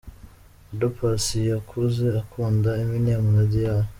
Oda Paccy yakuze akunda Eminem na Dr.